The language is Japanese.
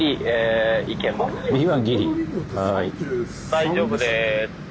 「大丈夫です」。